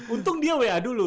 untung dia wa dulu